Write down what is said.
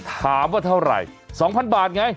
ถามว่าเท่าไหร่๒๐๐บาทไง